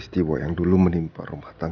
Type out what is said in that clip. siapa yang harus gue temuin sekarang